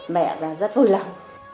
mẹ là rất vui lòng